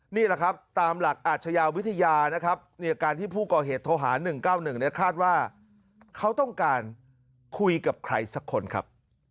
นี่แหละครับตามหลักอาชญาวิทยานะครับการที่ผู้ก่อเหตุโทรหา๑๙๑เนี่ยคาดว่าเขาต้องการคุยกับใครสักคนครับ